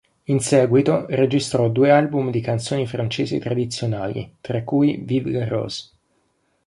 In seguito registrò due album di canzoni francesi tradizionali, tra cui "Vive la rose".